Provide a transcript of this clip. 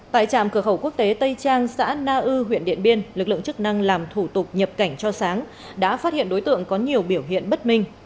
tại trạm cửa khẩu quốc tế tây trang xã na ư huyện điện biên lực lượng chức năng làm thủ tục nhập cảnh cho sáng đã phát hiện đối tượng có nhiều biểu hiện bất minh